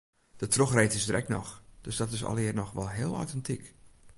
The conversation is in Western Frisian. De trochreed is der ek noch, dus dat is allegear noch wol heel autentyk.